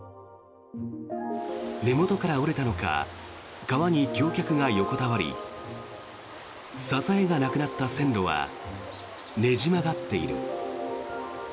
根元から折れたのか川に橋脚が横たわり支えがなくなった線路はねじ曲がっている。